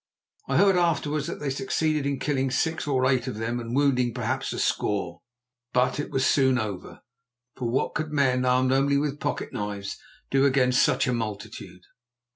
I heard afterwards that they succeeded in killing six or eight of them and wounding perhaps a score. But it was soon over, for what could men armed only with pocket knives do against such a multitude?